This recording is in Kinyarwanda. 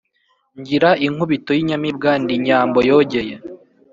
Ngira inkubito y'inyamibwa ndi Nyambo yogeye